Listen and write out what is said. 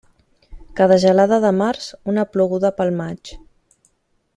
Cada gelada de març, una ploguda pel maig.